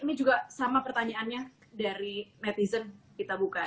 ini juga sama pertanyaannya dari netizen kita buka